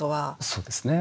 そうですね。